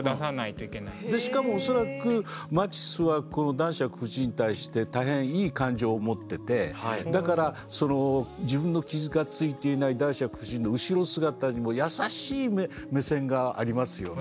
しかも恐らくマティスはこの男爵夫人に対して大変いい感情を持っててだからその自分の傷がついていない男爵夫人の後ろ姿にも優しい目線がありますよね。